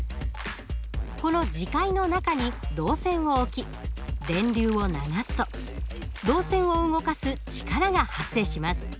この磁界の中に導線を置き電流を流すと導線を動かす力が発生します。